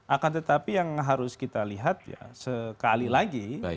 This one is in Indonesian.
akan tetapi yang harus kita lihat ya sekali lagi